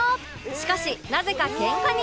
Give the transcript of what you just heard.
しかしなぜかケンカに